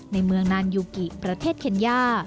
ในเมืองนานยูกิประเทศเคนย่า